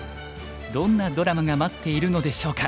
どんなドラマが待っているのでしょうか。